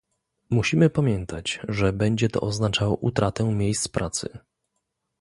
Musimy pamiętać, że będzie to oznaczało utratę miejsc pracy